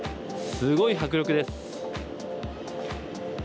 すごい迫力です。